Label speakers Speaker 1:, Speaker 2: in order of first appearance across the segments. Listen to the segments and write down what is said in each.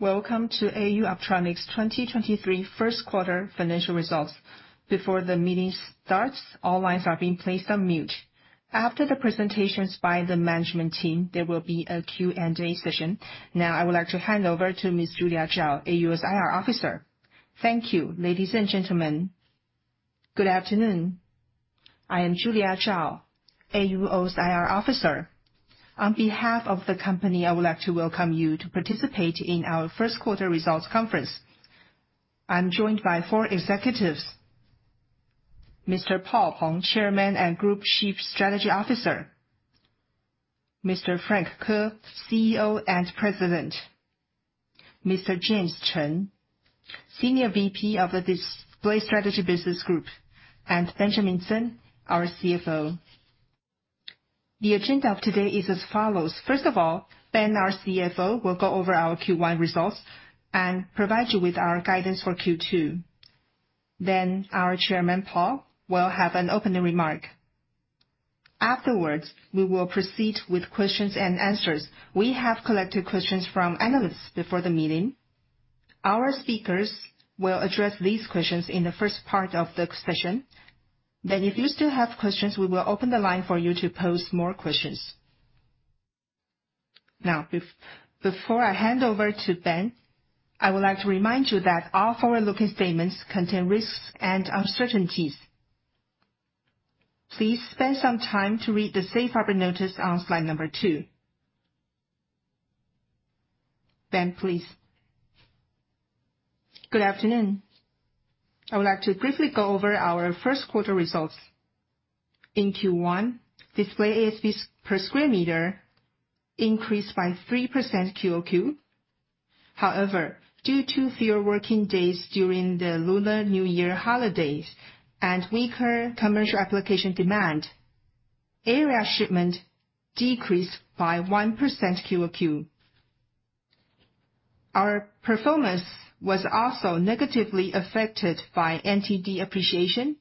Speaker 1: Welcome to AU Optronics 2023 First Quarter Financial Results. Before the meeting starts, all lines are being placed on mute. After the presentations by the Management Team, there will be a Q&A session. Now I would like to hand over to Ms. Julia Chao, AUO's IR officer.
Speaker 2: Thank you. Ladies and gentlemen, good afternoon. I am Julia Chao, AUO's IR officer. On behalf of the company, I would like to welcome you to participate in our first quarter results conference. I'm joined by four executives: Mr. Paul Peng, Chairman and Group Chief Strategy Officer, Mr. Frank Ko, CEO and President, Mr. James Chen, Senior VP of the Display Strategy Business Group, and Ben Tseng, our CFO. The agenda of today is as follows. First of all, Ben, our CFO, will go over our Q1 results and provide you with our guidance for Q2. Our Chairman, Paul, will have an opening remark. Afterwards, we will proceed with questions and answers. We have collected questions from analysts before the meeting. Our speakers will address these questions in the first part of the session. If you still have questions, we will open the line for you to pose more questions. Before I hand over to Ben, I would like to remind you that all forward-looking statements contain risks and uncertainties. Please spend some time to read the safe harbor notice on slide two. Ben, please.
Speaker 3: Good afternoon. I would like to briefly go over our Q1 results. In Q1, display ASPs per square meter increased by 3% QoQ. Due to fewer working days during the Lunar New Year holidays and weaker commercial application demand, area shipment decreased by 1% QoQ. Our performance was also negatively affected by NTD appreciation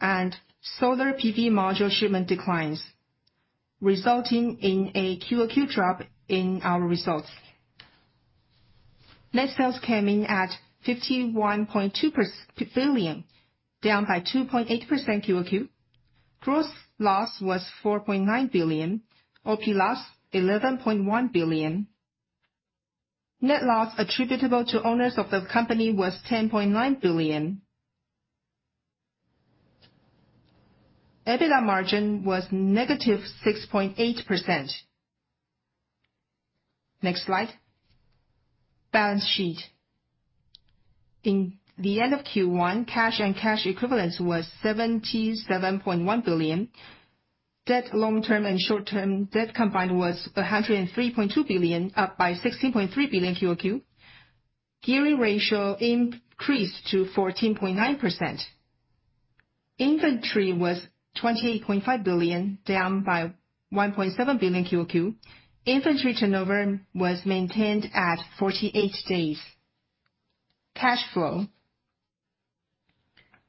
Speaker 3: and solar PV module shipment declines, resulting in a QoQ drop in our results. Net sales came in at 51.2 billion, down by 2.8% QoQ. Gross loss was 4.9 billion. OP loss, 11.1 billion. Net loss attributable to owners of the company was 10.9 billion. EBITDA margin was -6.8%. Next slide. Balance sheet. In the end of Q1, cash and cash equivalents was 77.1 billion. Debt, long term and short term, debt combined was 103.2 billion, up by 16.3 billion QoQ. Gearing ratio increased to 14.9%. Inventory was 28.5 billion, down by 1.7 billion QoQ. Inventory turnover was maintained at 48 days. Cash flow.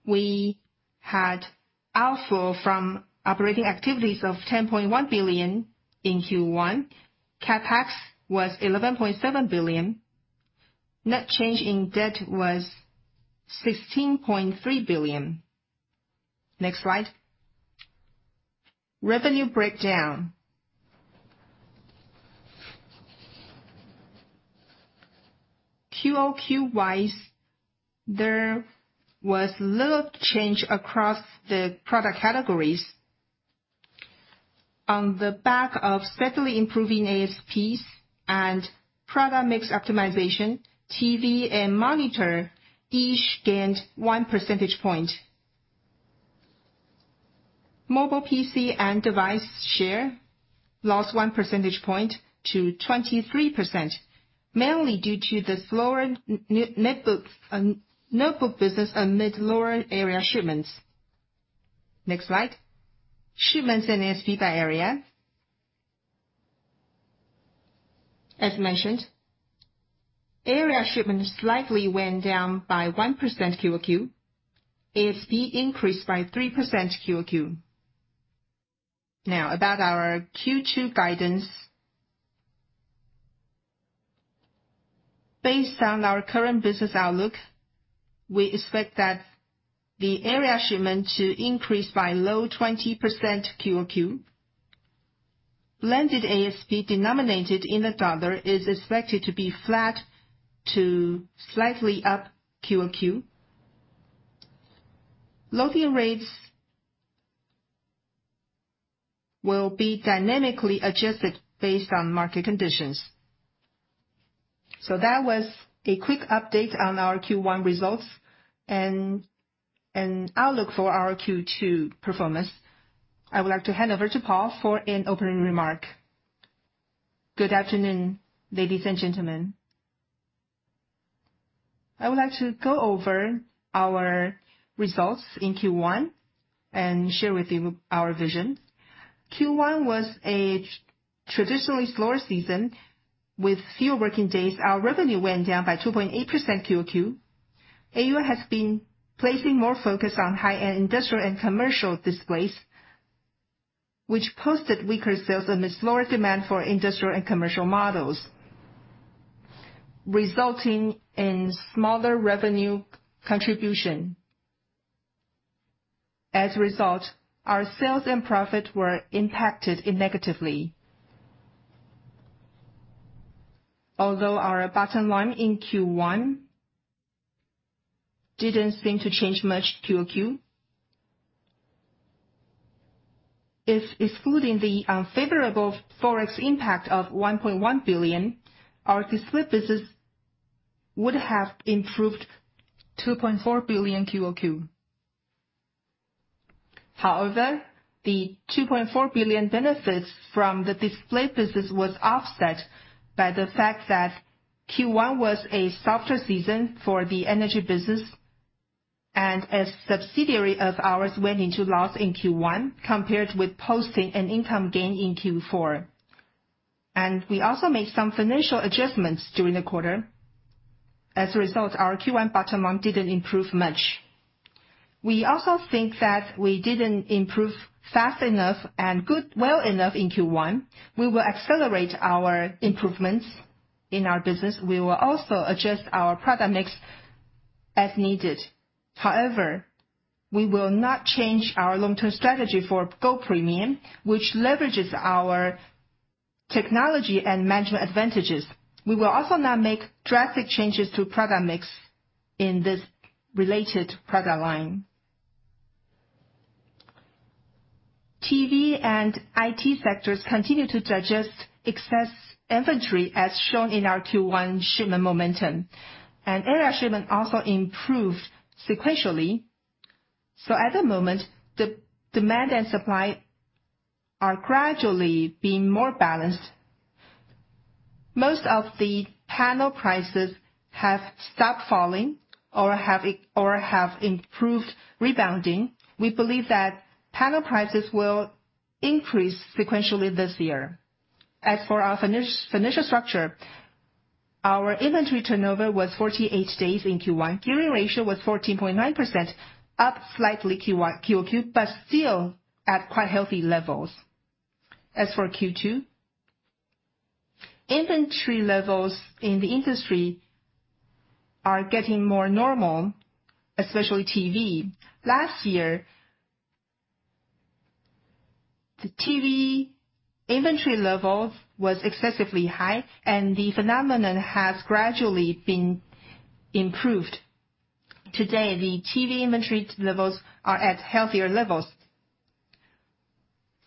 Speaker 3: We had outflow from operating activities of 10.1 billion in Q1. CapEx was 11.7 billion. Net change in debt was 16.3 billion. Next slide. Revenue breakdown. QoQ-wise, there was little change across the product categories. On the back of steadily improving ASPs and product mix optimization, TV and monitor each gained 1 percentage point. Mobile PC and device share lost 1 percentage point to 23%, mainly due to the slower notebook business amid lower area shipments. Next slide. Shipments and ASP by area. As mentioned, area shipments slightly went down by 1% QoQ. ASP increased by 3% QoQ. Now, about our Q2 guidance. Based on our current business outlook, we expect that the area shipment to increase by a low 20% QoQ. Blended ASP denominated in the dollar is expected to be flat to slightly up QoQ. Loading rates will be dynamically adjusted based on market conditions. That was a quick update on our Q1 results and outlook for our Q2 performance. I would like to hand over to Paul for an opening remark.
Speaker 4: Good afternoon, ladies and gentlemen. I would like to go over our results in Q1 and share with you our vision. Q1 was a traditionally slower season with fewer working days. Our revenue went down by 2.8% QoQ. AUO has been placing more focus on high-end industrial and commercial displays, which posted weaker sales amidst lower demand for industrial and commercial models, resulting in smaller revenue contribution. As a result, our sales and profit were impacted negatively. Although our bottom line in Q1 didn't seem to change much QoQ. If excluding the unfavorable Forex impact of NTD 1.1 billion, our display business would have improved NTD 2.4 billion QoQ. The NTD 2.4 billion benefits from the display business was offset by the fact that Q1 was a softer season for the energy business, and a subsidiary of ours went into loss in Q1, compared with posting an income gain in Q4. We also made some financial adjustments during the quarter. Our Q1 bottom line didn't improve much. We also think that we didn't improve fast enough and well enough in Q1. We will accelerate our improvements in our business. We will also adjust our product mix as needed. We will not change our long-term strategy for Go Premium, which leverages our technology and management advantages. We will also not make drastic changes to product mix in this related product line. TV and IT sectors continue to digest excess inventory as shown in our Q1 shipment momentum. AR shipment also improved sequentially. At the moment, the demand and supply are gradually being more balanced. Most of the panel prices have stopped falling or have improved rebounding. We believe that panel prices will increase sequentially this year. As for our financial structure, our inventory turnover was 48 days in Q1. Carrying ratio was 14.9%, up slightly QoQ, but still at quite healthy levels. As for Q2, inventory levels in the industry are getting more normal, especially TV. Last year, the TV inventory levels was excessively high, and the phenomenon has gradually been improved. Today, the TV inventory levels are at healthier levels.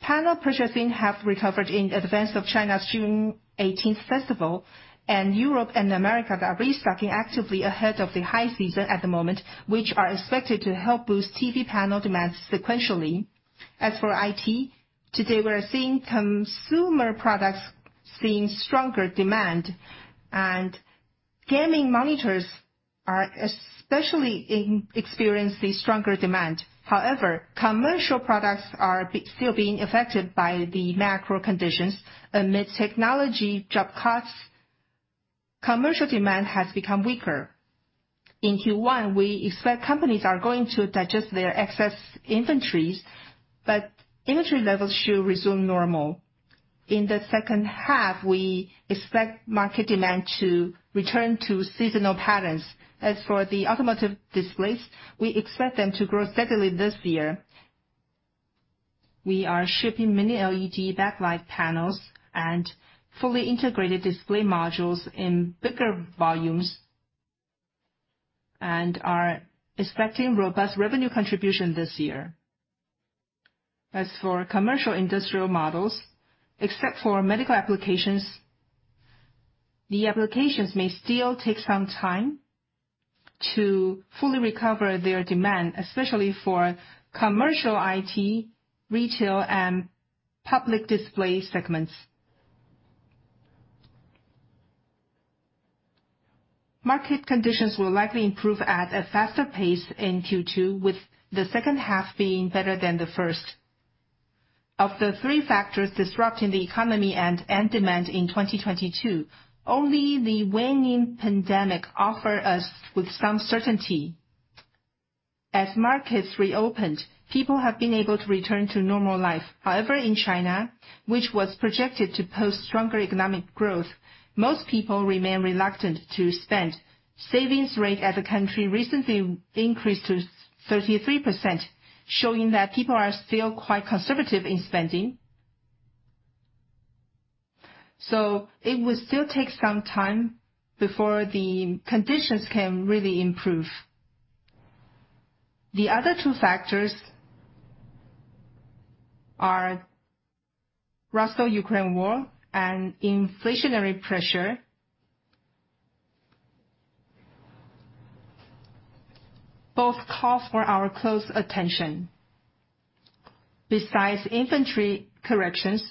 Speaker 4: Panel purchasing have recovered in advance of China's June 18th festival, and Europe and America are restocking actively ahead of the high season at the moment, which are expected to help boost TV panel demand sequentially. As for IT, today, we're seeing consumer products seeing stronger demand, and gaming monitors are especially experiencing stronger demand. However, commercial products are still being affected by the macro conditions. Amid technology job cuts, commercial demand has become weaker. In Q1, we expect companies are going to digest their excess inventories, but inventory levels should resume normal. In the second half, we expect market demand to return to seasonal patterns. As for the automotive displays, we expect them to grow steadily this year. We are shipping mini LED backlight panels and fully integrated display modules in bigger volumes, and are expecting robust revenue contribution this year. For commercial industrial models, except for medical applications, the applications may still take some time to fully recover their demand, especially for commercial IT, retail, and public display segments. Market conditions will likely improve at a faster pace in Q2, with the second half being better than the first. Of the 3 factors disrupting the economy and end demand in 2022, only the waning pandemic offer us with some certainty. Markets reopened, people have been able to return to normal life. In China, which was projected to post stronger economic growth, most people remain reluctant to spend. Savings rate as a country recently increased to 33%, showing that people are still quite conservative in spending. It will still take some time before the conditions can really improve. The other 2 factors are Russia-Ukraine war and inflationary pressure. Both call for our close attention. Besides inventory corrections,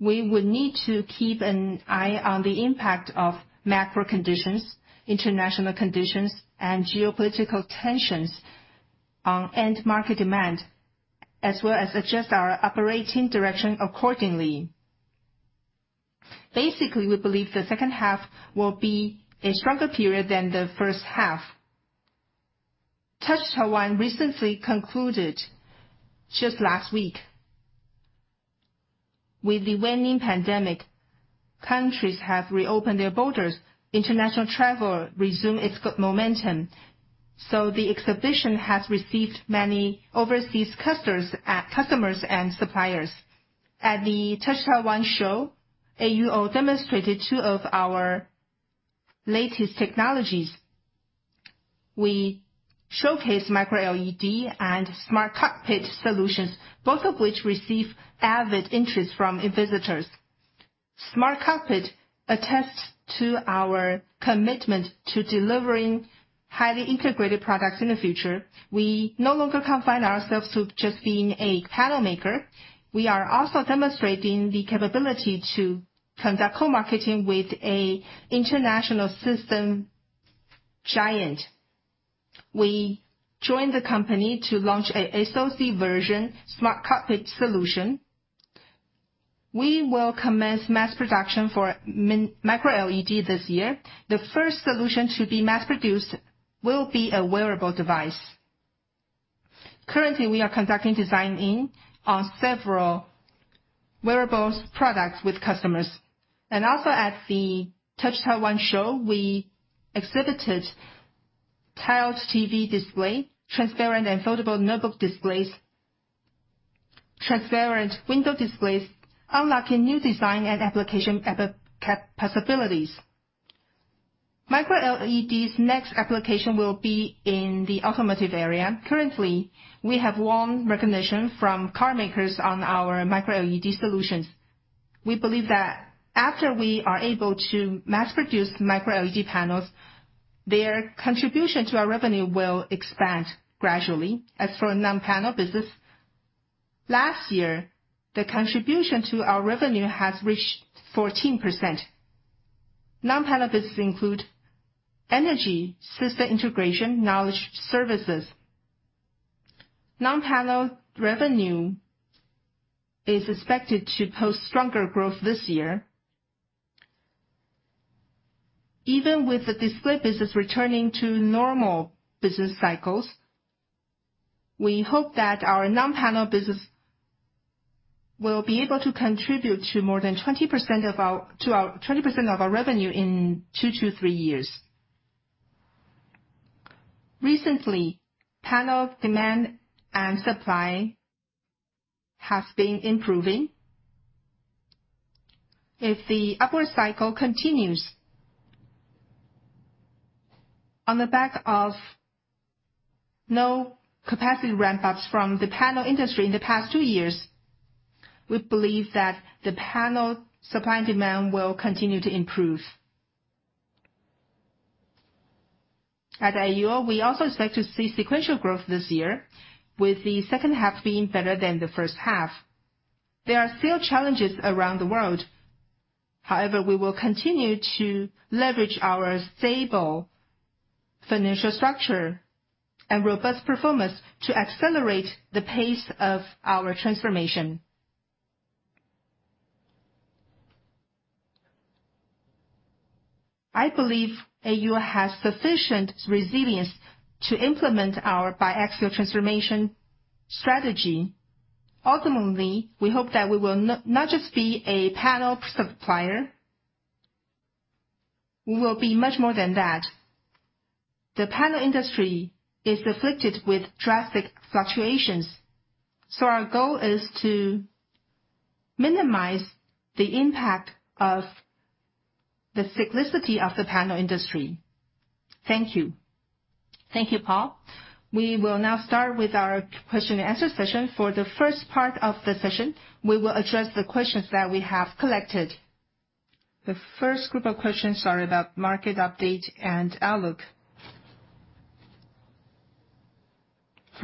Speaker 4: we would need to keep an eye on the impact of macro conditions, international conditions, and geopolitical tensions on end market demand, as well as adjust our operating direction accordingly. We believe the second half will be a stronger period than the first half. Touch Taiwan recently concluded just last week. With the waning pandemic, countries have reopened their borders. International travel resume its momentum. The exhibition has received many overseas customers and suppliers. At the Touch Taiwan show, AUO demonstrated two of our latest technologies. We showcased Micro LED and Smart Cockpit solutions, both of which receive avid interest from visitors. Smart Cockpit attests to our commitment to delivering highly integrated products in the future. We no longer confine ourselves to just being a panel maker. We are also demonstrating the capability to conduct co-marketing with a international system giant. We joined the company to launch a SoC version Smart Cockpit solution. We will commence mass production for Micro LED this year. The first solution to be mass-produced will be a wearable device. Currently, we are conducting design in on several wearables products with customers. Also at the Touch Taiwan show, we exhibited tiled TV display, transparent and foldable notebook displays, transparent window displays, unlocking new design and application possibilities. Micro LED's next application will be in the automotive area. Currently, we have won recognition from car makers on our Micro LED solutions. We believe that after we are able to mass-produce Micro LED panels, their contribution to our revenue will expand gradually. As for non-panel business, last year, the contribution to our revenue has reached 14%. Non-panel business include energy, system integration, knowledge services. Non-panel revenue is expected to post stronger growth this year. Even with the display business returning to normal business cycles, we hope that our non-panel business will be able to contribute to more than 20% of our revenue in 2-3 years. Recently, panel demand and supply has been improving. If the upward cycle continues on the back of no capacity ramp-ups from the panel industry in the past 2 years, we believe that the panel supply and demand will continue to improve. At AUO, we also expect to see sequential growth this year, with the second half being better than the first half. There are still challenges around the world. We will continue to leverage our stable financial structure and robust performance to accelerate the pace of our transformation. I believe AUO has sufficient resilience to implement our biaxial transformation strategy. Ultimately, we hope that we will not just be a panel supplier, we will be much more than that. The panel industry is afflicted with drastic fluctuations. Our goal is to minimize the impact of the cyclicity of the panel industry. Thank you.
Speaker 2: Thank you, Paul. We will now start with our question-and answer session. For the first part of the session, we will address the questions that we have collected. The first group of questions are about market update and outlook.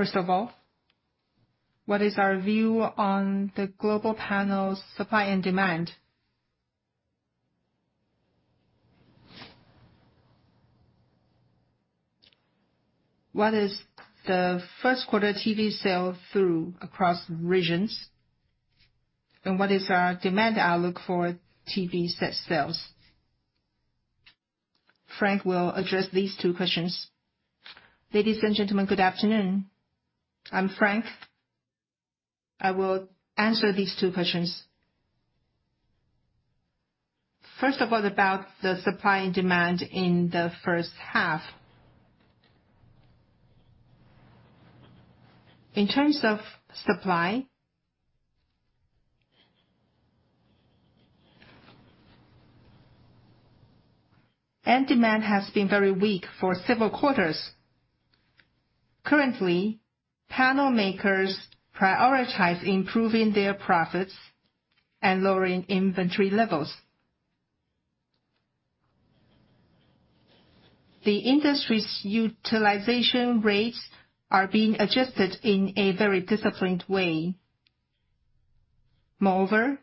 Speaker 2: First of all, what is our view on the global panels supply and demand? What is the first quarter TV sell-through across regions? What is our demand outlook for TV set sales? Frank will address these two questions.
Speaker 5: Ladies and gentlemen, good afternoon. I'm Frank. I will answer these two questions. First of all, about the supply and demand in the first half. In terms of supply. Demand has been very weak for several quarters. Currently, panel makers prioritize improving their profits and lowering inventory levels. The industry's utilization rates are being adjusted in a very disciplined way. Moreover,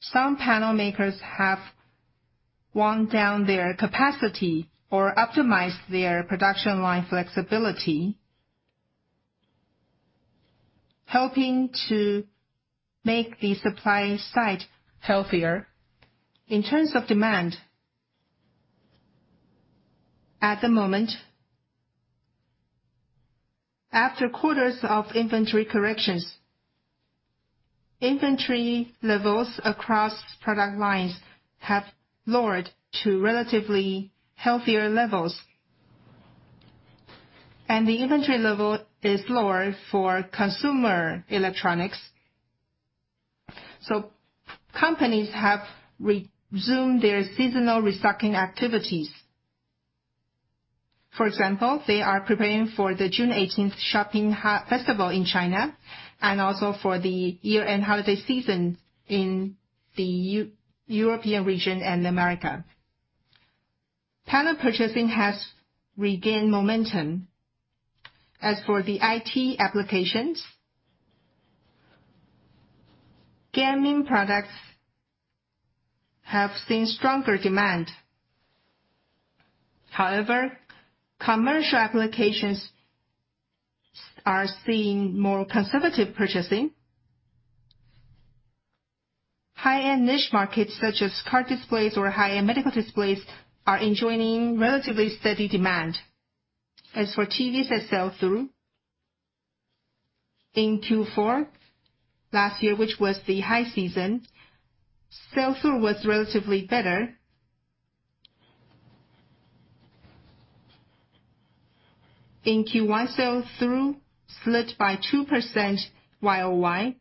Speaker 5: some panel makers have wound down their capacity or optimized their production line flexibility, helping to make the supply site healthier. In terms of demand, at the moment, after quarters of inventory corrections, inventory levels across product lines have lowered to relatively healthier levels, and the inventory level is lower for consumer electronics. Companies have resumed their seasonal restocking activities. For example, they are preparing for the June 18 shopping festival in China and also for the year-end holiday season in the European region and America. Panel purchasing has regained momentum. As for the IT applications, gaming products have seen stronger demand. However, commercial applications are seeing more conservative purchasing. High-end niche markets, such as car displays or high-end medical displays, are enjoying relatively steady demand. As for TVs that sell through, in Q4 last year, which was the high season, sell-through was relatively better. In Q1 sell-through slipped by 2% YoY.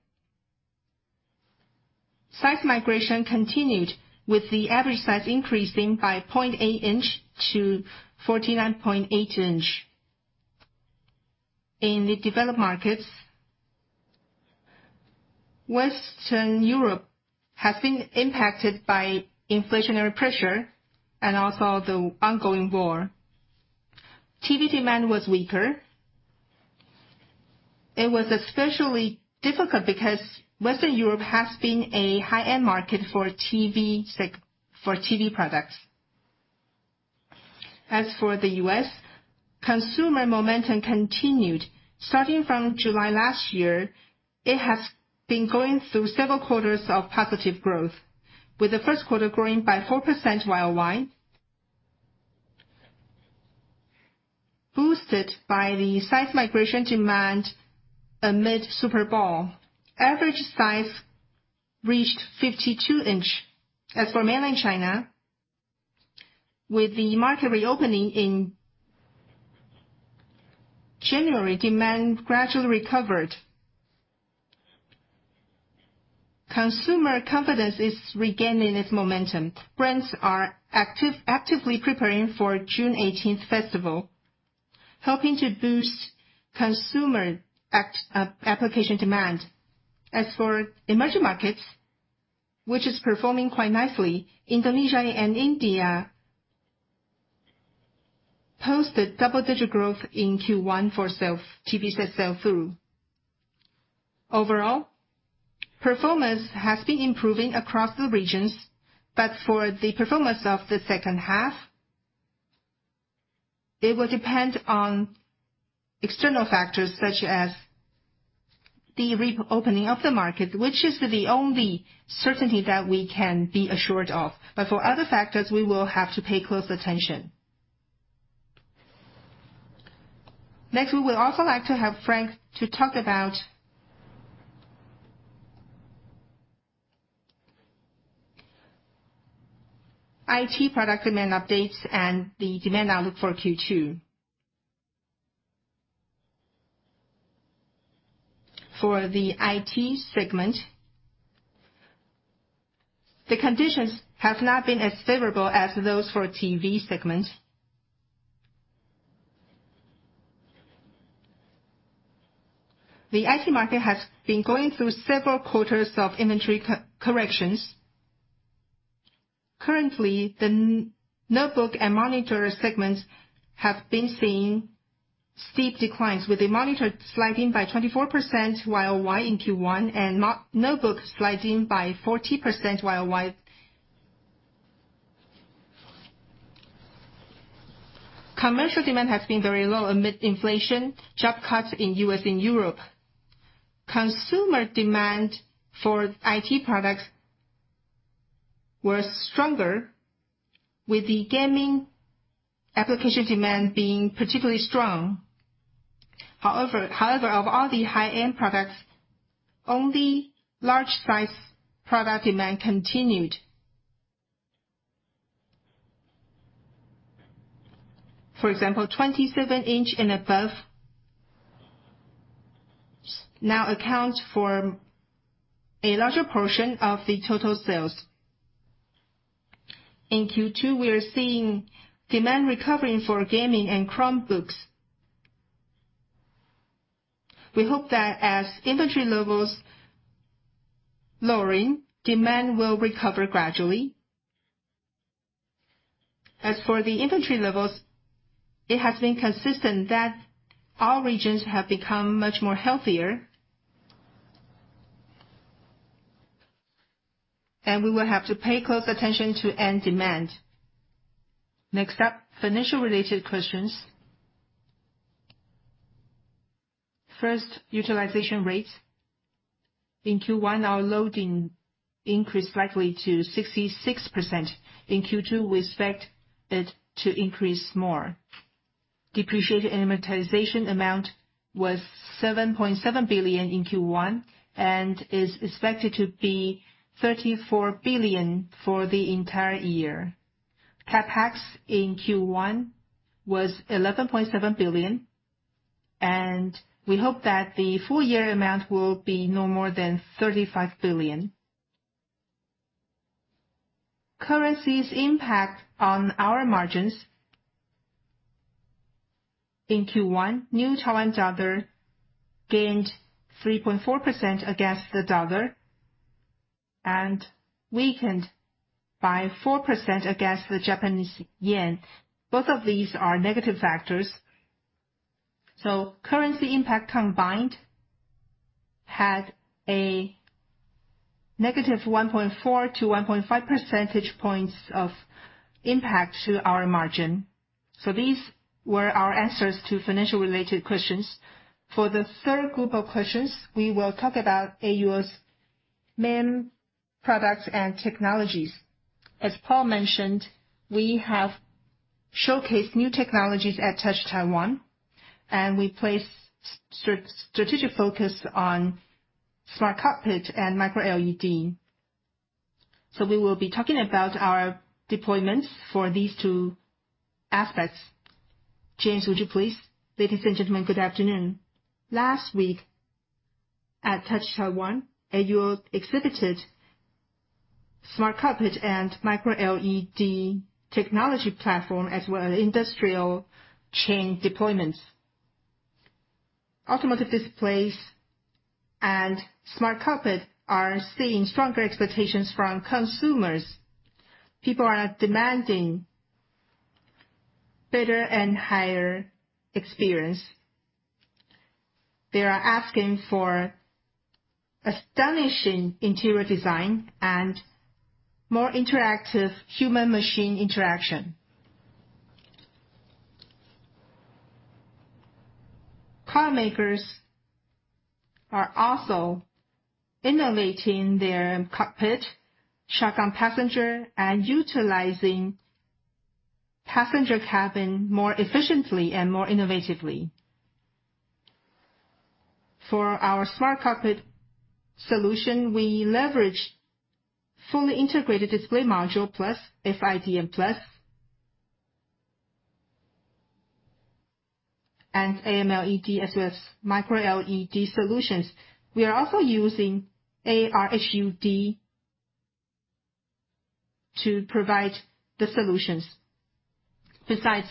Speaker 5: Size migration continued, with the average size increasing by 0.8 inch to 49.8 inch. In the developed markets, Western Europe has been impacted by inflationary pressure and also the ongoing war. TV demand was weaker. It was especially difficult because Western Europe has been a high-end market for TV products. As for the U.S., consumer momentum continued. Starting from July last year, it has been going through several quarters of positive growth, with the 1st quarter growing by 4% YoY. Boosted by the size migration demand amid Super Bowl. Average size reached 52 inch. As for mainland China, with the market reopening in January, demand gradually recovered. Consumer confidence is regaining its momentum. Brands are actively preparing for 618 shopping festival, helping to boost consumer application demand. As for emerging markets, which is performing quite nicely, Indonesia and India posted double-digit growth in Q1 for TV set sell-through. Overall, performance has been improving across the regions, for the performance of the second half, it will depend on external factors such as the reopening of the market, which is the only certainty that we can be assured of. For other factors, we will have to pay close attention.
Speaker 2: Next, we would also like to have Frank to talk about IT product demand updates and the demand outlook for Q2. For the IT segment, the conditions have not been as favorable as those for TV segment.
Speaker 5: The IT market has been going through several quarters of inventory corrections. Currently, the notebook and monitor segments have been seeing steep declines, with the monitor sliding by 24% YoY in Q1 and notebook sliding by 40% YoY. Commercial demand has been very low amid inflation, job cuts in U.S. and Europe. Consumer demand for IT products were stronger, with the gaming application demand being particularly strong. However, of all the high-end products, only large size product demand continued. For example, 27-inch and above now accounts for a larger portion of the total sales. In Q2, we are seeing demand recovering for gaming and Chromebooks. We hope that as inventory levels lowering, demand will recover gradually. As for the inventory levels, it has been consistent that all regions have become much more healthier. We will have to pay close attention to end demand. Financial related questions. First, utilization rate. In Q1, our loading increased slightly to 66%. In Q2, we expect it to increase more. Depreciation and amortization amount was 7.7 billion in Q1, and is expected to be 34 billion for the entire year. CapEx in Q1 was 11.7 billion, and we hope that the full year amount will be no more than 35 billion. Currencies impact on our margins. In Q1, New Taiwan dollar gained 3.4% against the dollar and weakened by 4% against the Japanese yen. Both of these are negative factors. Currency impact combined had a negative 1.4 to 1.5 percentage points of impact to our margin. These were our answers to financial related questions. For the third group of questions, we will talk about AUO's main products and technologies. As Paul mentioned, we have showcased new technologies at Touch Taiwan, we placed strategic focus on Smart Cockpit and Micro LED. We will be talking about our deployments for these two aspects. James, would you please?
Speaker 6: Ladies and gentlemen, good afternoon. Last week at Touch Taiwan, AUO exhibited Smart Cockpit and Micro LED technology platform, as well as industrial chain deployments. Automotive displays and Smart Cockpit are seeing stronger expectations from consumers. People are demanding better and higher experience. They are asking for astonishing interior design and more interactive human machine interaction. Car makers are also innovating their cockpit, check on passenger, and utilizing passenger cabin more efficiently and more innovatively. For our Smart Cockpit solution, we leverage fully integrated display module plus FIDM Plus, and AMLED as well as Micro LED solutions. We are also using ARHUD to provide the solutions.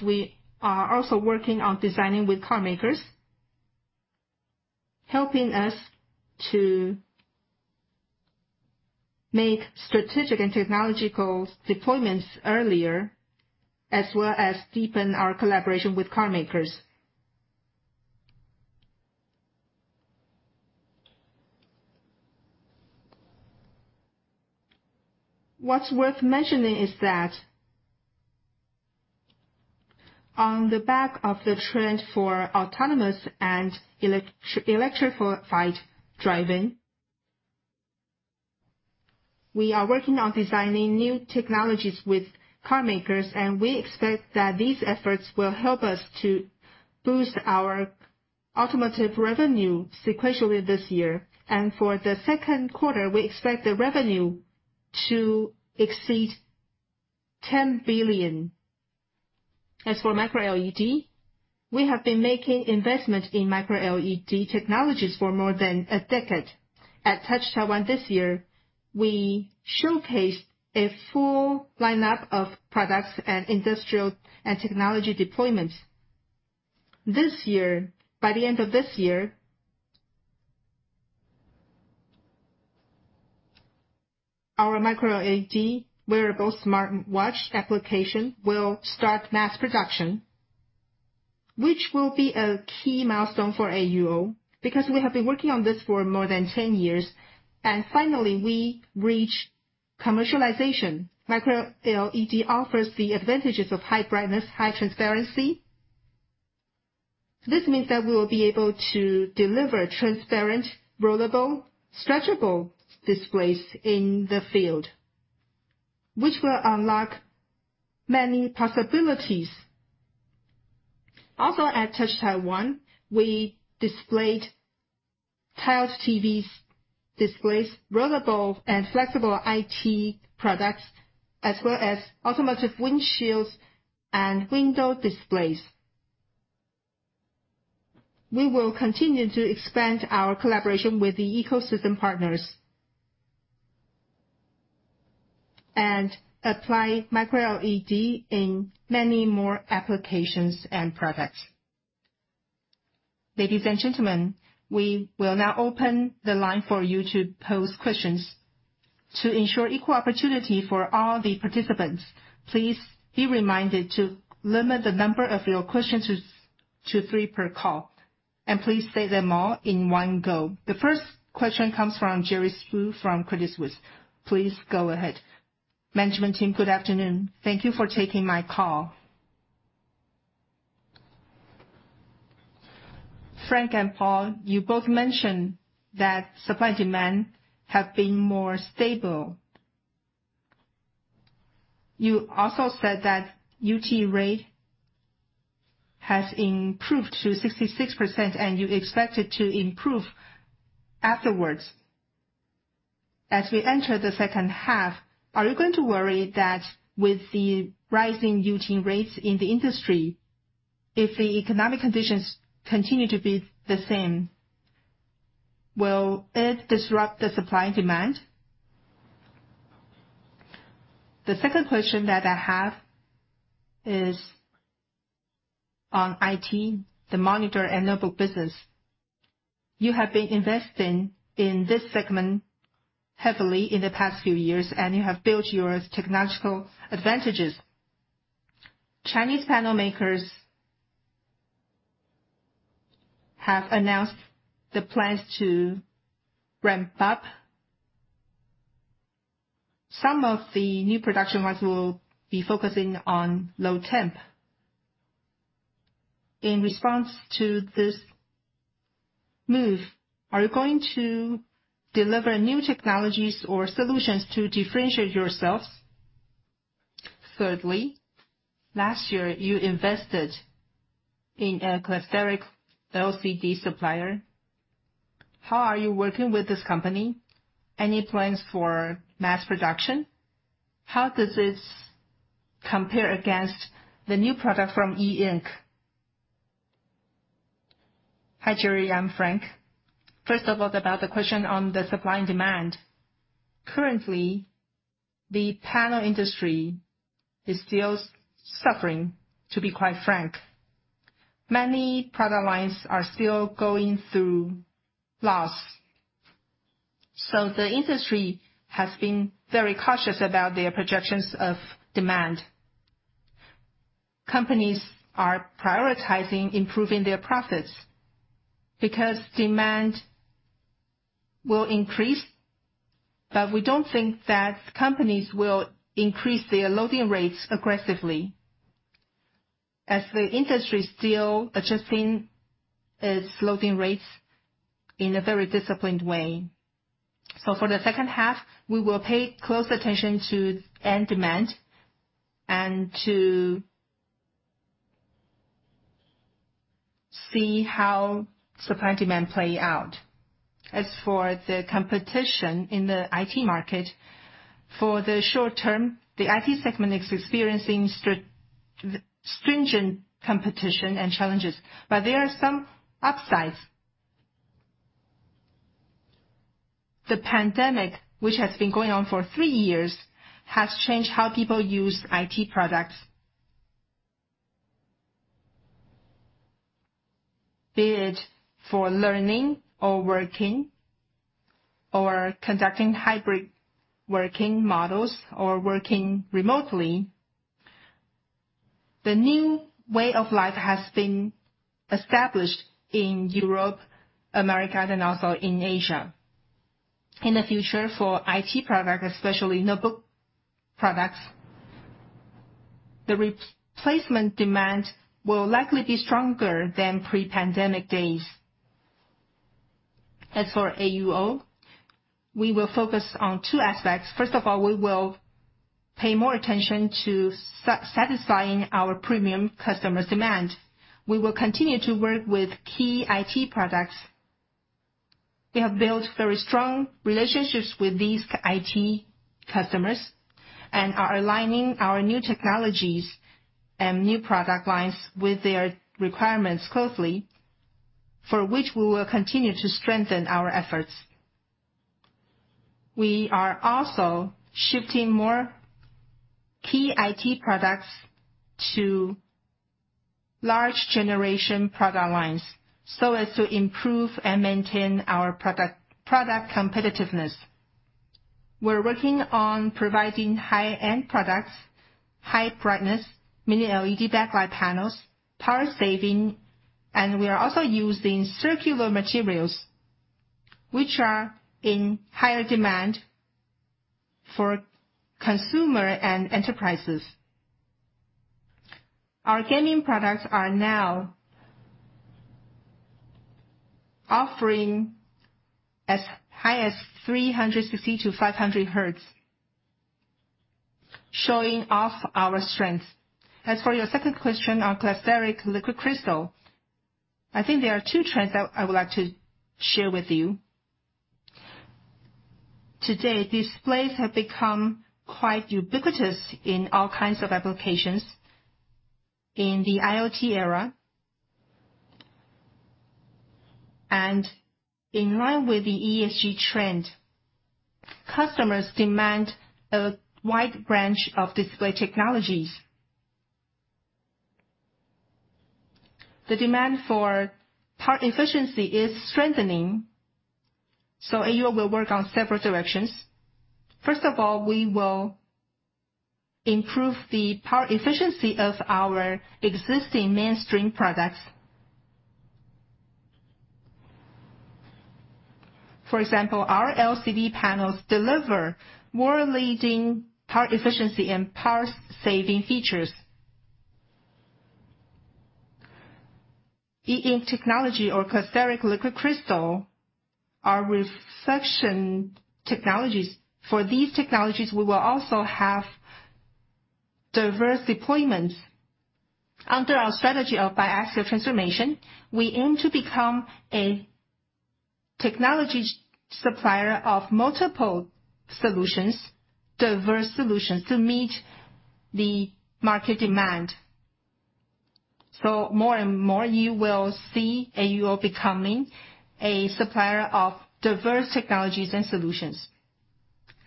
Speaker 6: We are also working on designing with car makers, helping us to make strategic and technological deployments earlier, as well as deepen our collaboration with car makers. What's worth mentioning is that on the back of the trend for autonomous and electrified driving, we are working on designing new technologies with car makers. We expect that these efforts will help us to boost our automotive revenue sequentially this year. For the second quarter, we expect the revenue to exceed $10 billion. As for Micro LED, we have been making investments in Micro LED technologies for more than a decade. At Touch Taiwan this year, we showcased a full lineup of products and industrial and technology deployments. By the end of this year, our Micro LED wearable smartwatch application will start mass production, which will be a key milestone for AUO. We have been working on this for more than 10 years, and finally, we reached commercialization. Micro LED offers the advantages of high brightness, high transparency. This means that we will be able to deliver transparent, rollable, stretchable displays in the field, which will unlock many possibilities. At Touch Taiwan, we displayed tiled TVs, displays, rollable and flexible IT products, as well as automotive windshields and window displays. We will continue to expand our collaboration with the ecosystem partners and apply Micro LED in many more applications and products.
Speaker 2: Ladies and gentlemen, we will now open the line for you to pose questions. To ensure equal opportunity for all the participants, please be reminded to limit the number of your questions to 3 per call, and please state them all in one go.
Speaker 1: The first question comes from Jerry Su from Credit Suisse. Please go ahead.
Speaker 7: Management Team, good afternoon. Thank you for taking my call. Frank and Paul, you both mentioned that supply-demand have been more stable. You also said that UT rate has improved to 66% and you expect it to improve afterwards. As we enter the second half, are you going to worry that with the rising UT rates in the industry, if the economic conditions continue to be the same, will it disrupt the supply and demand? The second question that I have is on IT, the monitor and notebook business. You have been investing in this segment heavily in the past few years, and you have built your technological advantages. Chinese panel makers have announced the plans to ramp up. Some of the new production lines will be focusing on low temp. In response to this move, are you going to deliver new technologies or solutions to differentiate yourselves?
Speaker 8: Thirdly, last year you invested in a cholesteric LCD supplier. How are you working with this company? Any plans for mass production? How does this compare against the new product from E Ink?
Speaker 5: Hi, Jerry. I'm Frank. First of all, about the question on the supply and demand. Currently, the panel industry is still suffering, to be quite frank. Many product lines are still going through loss. The industry has been very cautious about their projections of demand. Companies are prioritizing improving their profits because demand will increase, but we don't think that companies will increase their loading rates aggressively, as the industry is still adjusting its loading rates in a very disciplined way. For the second half, we will pay close attention to end demand and to see how supply and demand play out. As for the competition in the IT market, for the short term, the IT segment is experiencing stringent competition and challenges. There are some upsides. The pandemic, which has been going on for 3 years, has changed how people use IT products. Be it for learning or working or conducting hybrid working models or working remotely, the new way of life has been established in Europe, America, and also in Asia. In the future, for IT product, especially notebook products, the replacement demand will likely be stronger than pre-pandemic days. As for AUO, we will focus on two aspects. First of all, we will pay more attention to satisfying our premium customer demand. We will continue to work with key IT products. We have built very strong relationships with these IT customers and are aligning our new technologies and new product lines with their requirements closely, for which we will continue to strengthen our efforts. We are also shifting more key IT products to large generation product lines so as to improve and maintain our product competitiveness. We're working on providing high-end products, high brightness, mini LED backlight panels, power saving, and we are also using circular materials which are in higher demand for consumer and enterprises. Our gaming products are now offering as high as 360-500 hertz, showing off our strengths. As for your second question on cholesteric liquid crystal, I think there are two trends that I would like to share with you. Today, displays have become quite ubiquitous in all kinds of applications in the IoT era. In line with the ESG trend, customers demand a wide branch of display technologies. The demand for power efficiency is strengthening. AUO will work on several directions. First of all, we will improve the power efficiency of our existing mainstream products. For example, our LCD panels deliver more leading power efficiency and power saving features. E Ink technology or cholesteric liquid crystal are reflection technologies. For these technologies, we will also have diverse deployments. Under our strategy of biaxial transformation, we aim to become a technology supplier of multiple solutions, diverse solutions to meet the market demand. More and more you will see AUO becoming a supplier of diverse technologies and solutions.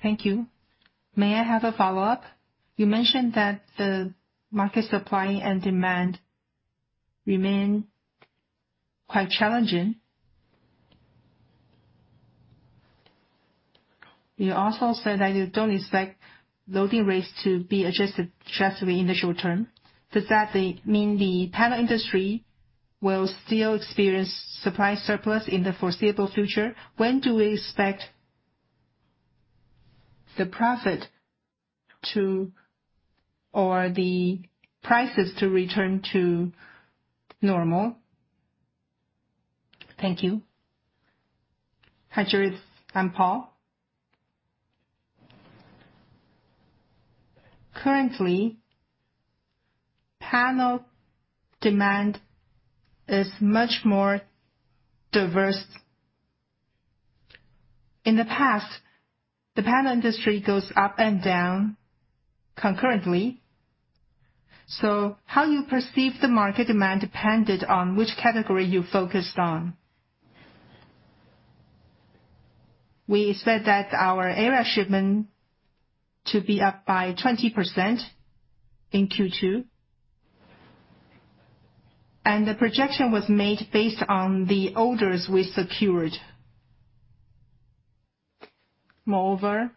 Speaker 7: Thank you. May I have a follow-up? You mentioned that the market supply and demand remain quite challenging. You also said that you don't expect loading rates to be adjusted drastically in the short term. Does that mean the panel industry will still experience supply surplus in the foreseeable future? When do we expect the prices to return to normal?
Speaker 4: Thank you. Hi, Jerry. I'm Paul. Currently, panel demand is much more diverse. In the past, the panel industry goes up and down concurrently. How you perceive the market demand depended on which category you focused on. We said that our area shipment to be up by 20% in Q2. The projection was made based on the orders we secured. Moreover,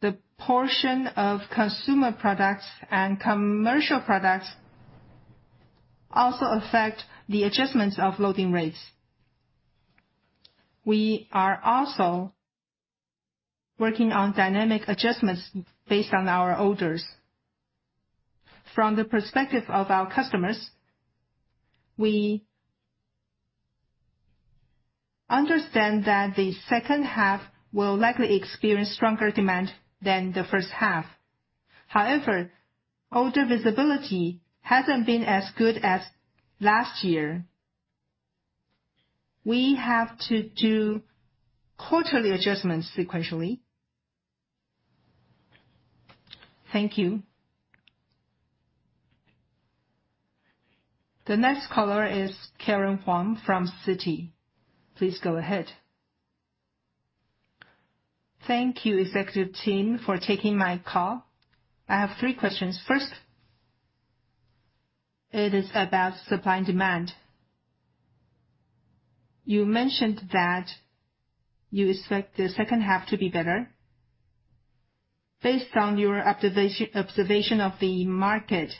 Speaker 4: the portion of consumer products and commercial products also affect the adjustments of loading rates. We are also working on dynamic adjustments based on our orders. From the perspective of our customers, we understand that the second half will likely experience stronger demand than the first half. However, order visibility hasn't been as good as last year. We have to do quarterly adjustments sequentially.
Speaker 1: Thank you. The next caller is Karen Huang from Citi. Please go ahead.
Speaker 9: Thank you, Executive Team, for taking my call. I have three questions. First, it is about supply and demand. You mentioned that you expect the second half to be better. Based on your observation of the market,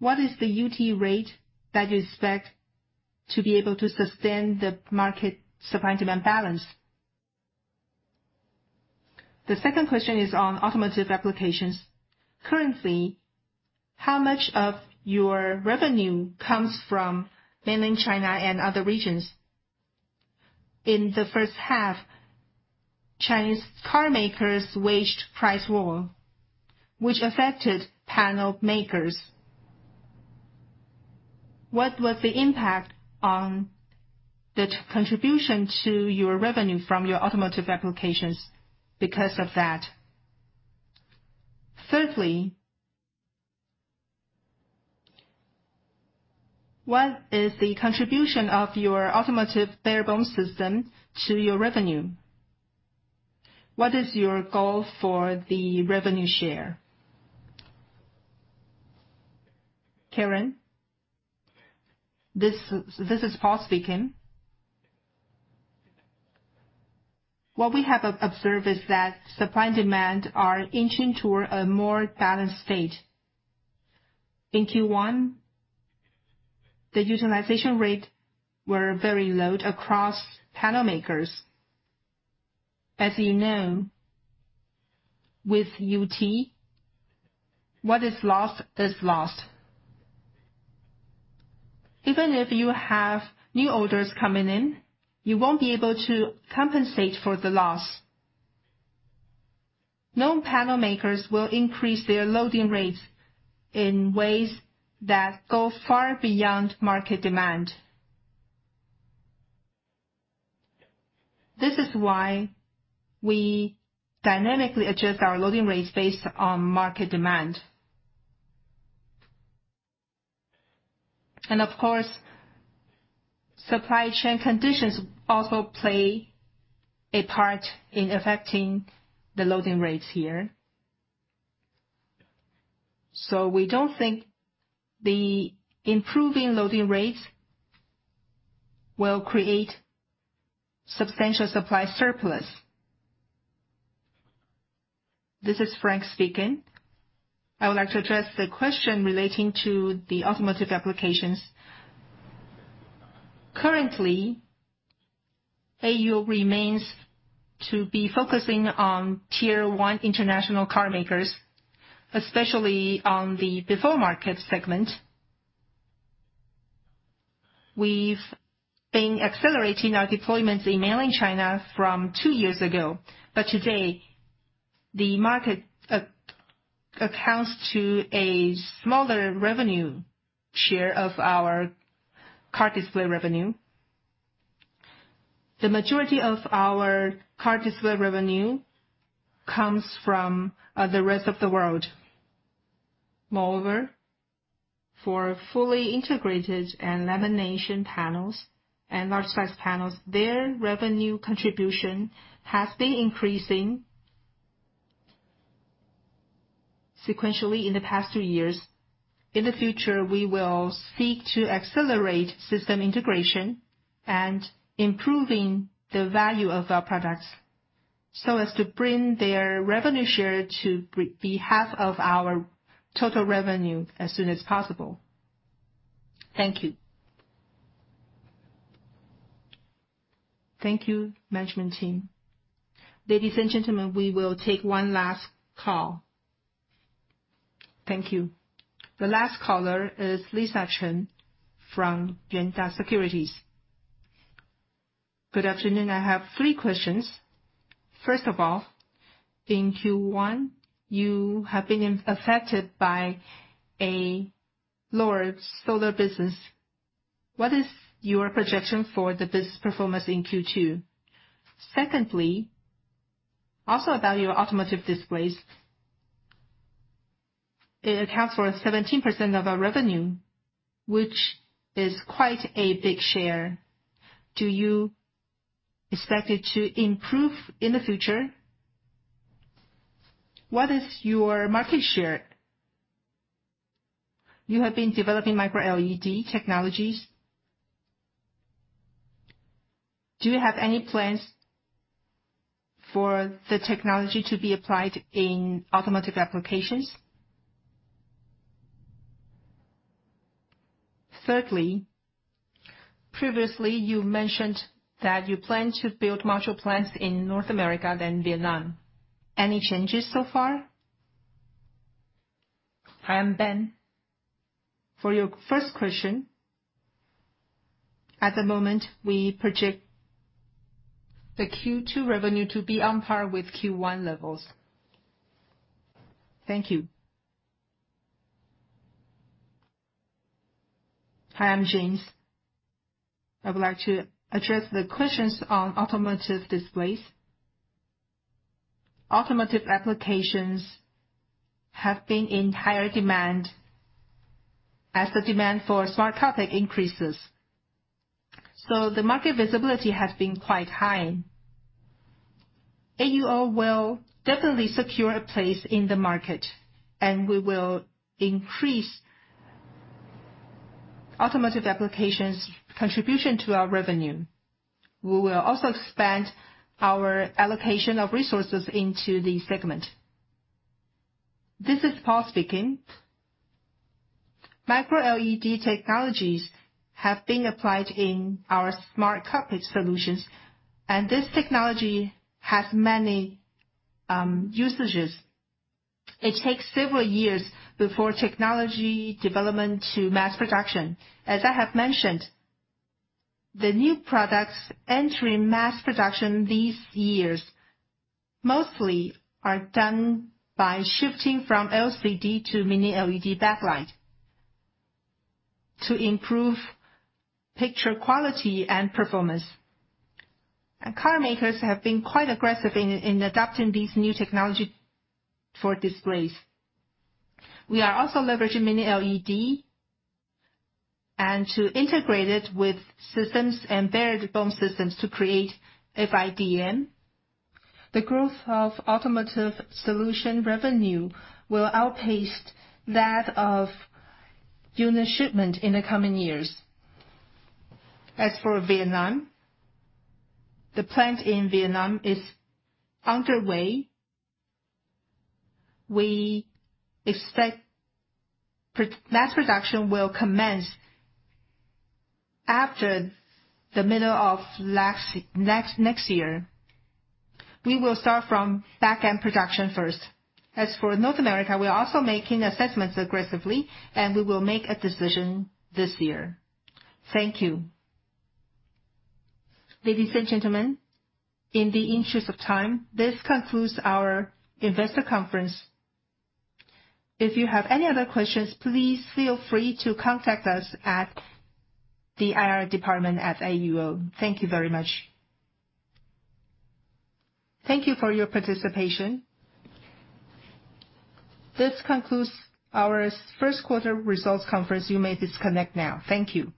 Speaker 9: what is the UT rate that you expect to be able to sustain the market supply and demand balance? The second question is on automotive applications. Currently, how much of your revenue comes from Mainland China and other regions? In the first half, Chinese car makers waged price war, which affected panel makers. What was the impact on the contribution to your revenue from your automotive applications because of that? Thirdly, what is the contribution of your automotive barebone system to your revenue? What is your goal for the revenue share?
Speaker 4: Karen, this is Paul speaking. What we have observed is that supply and demand are inching toward a more balanced state. In Q1, the utilization rate were very low across panel makers. As you know, with UT, what is lost is lost. Even if you have new orders coming in, you won't be able to compensate for the loss. No panel makers will increase their loading rates in ways that go far beyond market demand. This is why we dynamically adjust our loading rates based on market demand. Of course, supply chain conditions also play a part in affecting the loading rates here. We don't think the improving loading rates will create substantial supply surplus.
Speaker 5: This is Frank speaking. I would like to address the question relating to the automotive applications. Currently, AUO remains to be focusing on Tier 1 international car makers, especially on the before-market segment. We've been accelerating our deployments in Mainland China from two years ago. Today, the market accounts to a smaller revenue share of our car display revenue. The majority of our car display revenue comes from the rest of the world. Moreover, for fully integrated and lamination panels and large-size panels, their revenue contribution has been increasing sequentially in the past two years. In the future, we will seek to accelerate system integration and improving the value of our products so as to bring their revenue share to be half of our total revenue as soon as possible. Thank you.
Speaker 9: Thank you, Management Team.
Speaker 1: Ladies and gentlemen, we will take one last call. Thank you. The last caller is Lisa Chen from Yuanta Securities.
Speaker 10: Good afternoon. I have three questions. First of all, in Q1, you have been affected by a lower solar business. What is your projection for the business performance in Q2? About your automotive displays. It accounts for 17% of our revenue, which is quite a big share. Do you expect it to improve in the future? What is your market share? You have been developing Micro LED technologies. Do you have any plans for the technology to be applied in automotive applications? Previously you mentioned that you plan to build module plants in North America then Vietnam. Any changes so far?
Speaker 3: Hi, I'm Ben. For your first question, at the moment, we project the Q2 revenue to be on par with Q1 levels. Thank you.
Speaker 6: Hi, I'm James. I would like to address the questions on automotive displays. Automotive applications have been in higher demand as the demand for Smart Cockpit increases. The market visibility has been quite high. AUO will definitely secure a place in the market, and we will increase automotive applications contribution to our revenue. We will also expand our allocation of resources into the segment.
Speaker 4: This is Paul Peng speaking. Micro LED technologies have been applied in our Smart Cockpit solutions, and this technology has many usages. It takes several years before technology development to mass production. As I have mentioned, the new products entering mass production these years mostly are done by shifting from LCD to mini LED backlight to improve picture quality and performance. Car makers have been quite aggressive in adopting these new technology for displays. We are also leveraging mini LED and to integrate it with systems and varied barebone systems to create FIDM. The growth of automotive solution revenue will outpace that of unit shipment in the coming years. As for Vietnam, the plant in Vietnam is underway. We expect mass production will commence after the middle of next year. We will start from back-end production first. As for North America, we are also making assessments aggressively, and we will make a decision this year.
Speaker 2: Thank you. Ladies and gentlemen, in the interest of time, this concludes our Investor Conference. If you have any other questions, please feel free to contact us at the IR department at AUO. Thank you very much.
Speaker 1: Thank you for your participation. This concludes our first quarter results conference. You may disconnect now. Thank you.